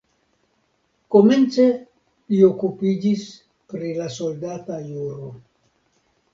Komence li okupiĝis pri la soldata juro.